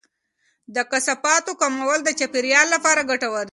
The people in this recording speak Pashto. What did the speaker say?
د کثافاتو کمول د چاپیریال لپاره ګټور دی.